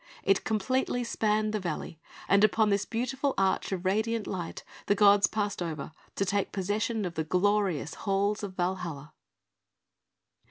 It completely spanned the valley; and upon this beautiful arch of radiant light, the gods passed over to take possession of the glorious halls of Valhalla.